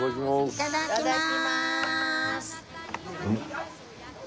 いただきます。